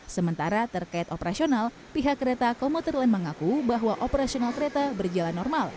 sementara terkait operasional pihak kereta komuter lain mengaku bahwa operasional kereta berjalan normal